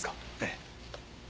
ええ。